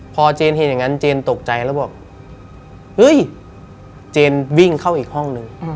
พอเจนเห็นอย่างนั้นเจนตกใจแล้วบอกเฮ้ยเจนวิ่งเข้าอีกห้องนึง